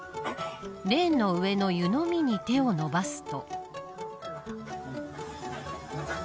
レーンの上の湯飲みに手を伸ばすと。